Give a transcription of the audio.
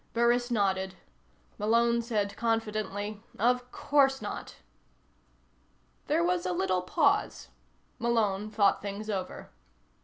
Burris nodded. Malone said confidently: "Of course not." There was a little pause. Malone thought things over.